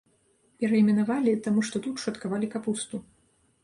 Перайменавалі, таму што тут шаткавалі капусту.